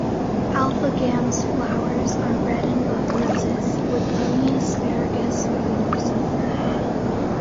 Alpha Gam's flowers are red and buff roses, with green asparagus plumosa fern.